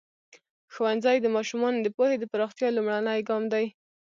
ښوونځی د ماشومانو د پوهې د پراختیا لومړنی ګام دی.